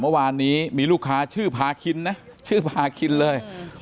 เมื่อวานนี้มีลูกค้าชื่อพาคินนะชื่อพาคินเลย